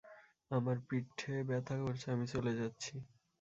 আমার পিঠে ব্যাথা করছে, আমি চলে যাচ্ছি।